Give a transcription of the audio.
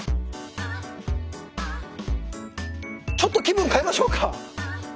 ちょっと気分変えましょうか！